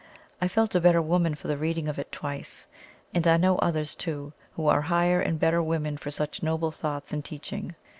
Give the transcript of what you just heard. I felt a better woman for the reading of it twice: and I know others, too, who are higher and better women for such noble thoughts and teaching.